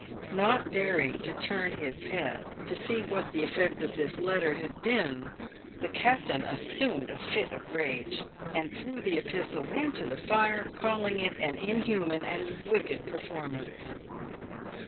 " Hot daring to turn his head to see what the effect of this letter had been, the captain assumed a fit of rage, and threw the epistle into the fire, calling it an inhuman and wicked performance.